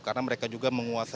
karena mereka juga menguasai